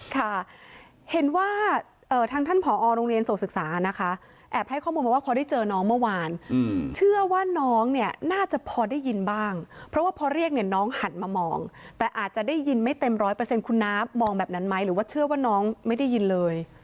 ค่ะเห็นว่าทางท่านผอโรงเรียนโศกศึกษานะคะแอบให้ข้อมูลมาว่าพอได้เจอน้องเมื่อวานเชื่อว่าน้องเนี่ยน่าจะพอได้ยินบ้างเพราะว่าพอเรียกเนี่ยน้องหันมามองแต่อาจจะได้ยินไม่เต็มร้อยเปอร์เซ็นคุณน้ามองแบบนั้นไหมหรือว่าเชื่อว่าน้องไม่ได้ยินเลย